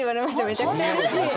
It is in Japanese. めちゃくちゃうれしい！